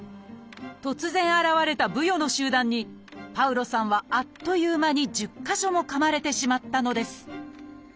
突然現れたブヨの集団にパウロさんはあっという間に１０か所もかまれてしまったのです。